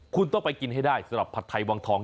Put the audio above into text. คุณต้องไปกินให้ได้สำหรับผัดไทยวังทอง